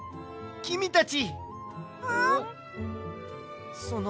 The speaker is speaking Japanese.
きみたち。